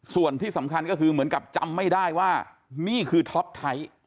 ส่วนที่สำคัญก็คือเหมือนกับจำไม่ได้ว่านี่คือท็อปไทย